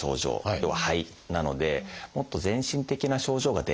要は肺なのでもっと全身的な症状が出やすいですね。